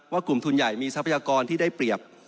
กลุ่มทุนใหญ่มีทรัพยากรที่ได้เปรียบ